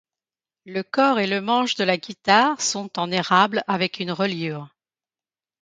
Le corps et le manche de la guitare sont en érable avec une reliure.